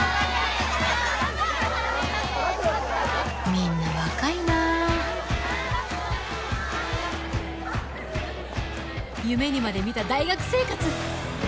みんな若いな夢にまで見た大学生活！